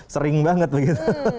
sering banget begitu